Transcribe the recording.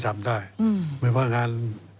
หมายความว่างาน